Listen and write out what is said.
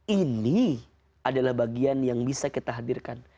ini adalah bagian yang bisa kita hadirkan